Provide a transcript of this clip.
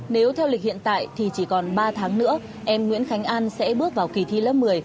nếu theo lịch hiện tại thì chỉ còn ba tháng nữa em nguyễn khánh an sẽ bước vào kỳ thi lớp một mươi